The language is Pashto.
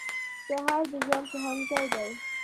سهار د ژوند پوهنځی دی.